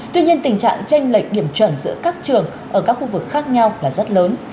tuy nhiên tình trạng tranh lệch điểm chuẩn giữa các trường ở các khu vực khác nhau là rất lớn